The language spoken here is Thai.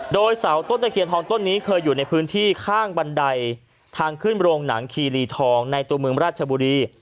โดยเสาต้นตะเคียนทองต้นนี้เคยอยู่ในพื้นที่ข้างบันไดทางขึ้นโรงหนังคีรีทองในตัวเมืองราชบุรี